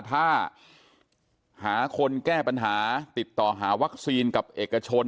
ถ้าหาคนแก้ปัญหาติดต่อหาวัคซีนกับเอกชน